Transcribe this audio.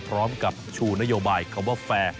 พร้อมกับชูนโยบายคำว่าแฟร์